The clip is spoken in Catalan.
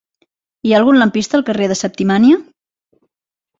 Hi ha algun lampista al carrer de Septimània?